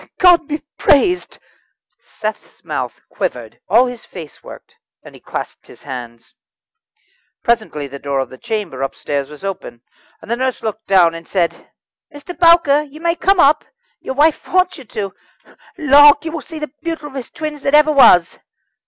"God be praised!" Seth's mouth quivered, all his face worked, and he clasped his hands. Presently the door of the chamber upstairs was opened, the nurse looked down, and said: "Mr. Bowker, you may come up. Your wife wants you. Lawk! you will see the beautifullest twins that ever was."